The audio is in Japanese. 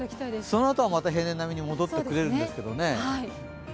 そのあとはまた、平年並みに戻ってくれるんですけどね